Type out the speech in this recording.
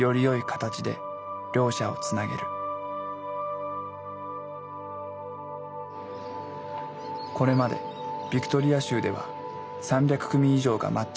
これまでビクトリア州では３００組以上がマッチングした。